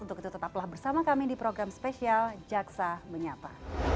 untuk itu tetaplah bersama kami di program spesial jaksa menyapa